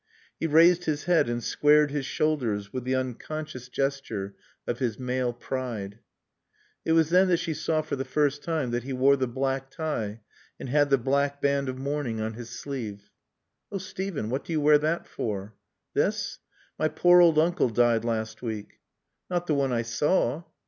He raised his head and squared his shoulders with the unconscious gesture of his male pride. It was then that she saw for the first time that he wore the black tie and had the black band of mourning on his sleeve. "Oh Steven what do you wear that for?" "This? My poor old uncle died last week." "Not the one I saw?"